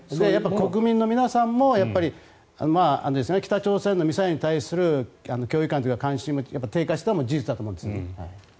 国民の皆さんも北朝鮮のミサイルに対する脅威感というか関心が低下していたのも事実だと思うんですね。